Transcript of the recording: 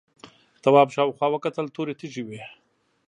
تواب شاوخوا وکتل تورې تیږې وې.